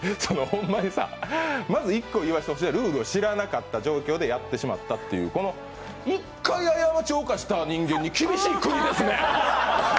ホンマにさ、まず１個言わせて欲しい、ルールを知らなかった状況でやってしまったっていうこの１回誤りをした人間に厳しいですね。